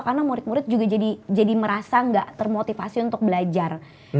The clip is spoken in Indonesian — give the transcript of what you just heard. karena murid murid juga jadi merasa gak termotivasi untuk belajar